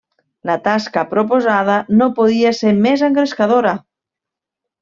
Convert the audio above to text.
La tasca proposada no podia ser més engrescadora.